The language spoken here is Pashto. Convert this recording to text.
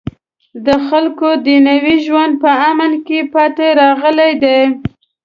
د خلکو دنیوي ژوند په تأمین کې پاتې راغلی دی.